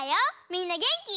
みんなげんき？